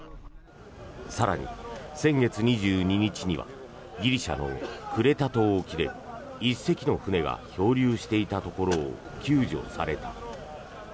更に先月２２日にはギリシャのクレタ島沖で１隻の船が漂流していたところを救助された。